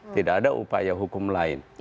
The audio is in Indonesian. tidak ada upaya hukum lain